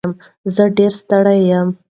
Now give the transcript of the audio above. زه ډېر ستړی یم.